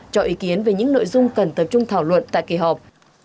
cho ý kiến về những nội dung cần tập trung thảo luận tại kỳ họp